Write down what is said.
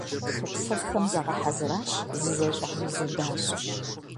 Шапсыгъхэм загъэхьэзыращ, зызэщӀаузэдащ.